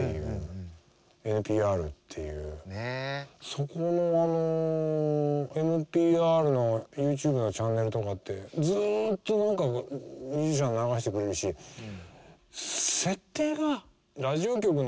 そこのあの「ＮＰＲ」のＹｏｕＴｕｂｅのチャンネルとかってずっと何かミュージシャン流してくれるし設定がラジオ局のそのデスク。